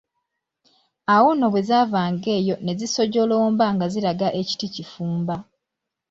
Awo nno bwe zaavanga ng’eyo ne zisojjolomba nga ziraga e Kitikifumba.